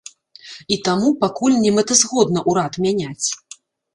І таму пакуль немэтазгодна ўрад мяняць.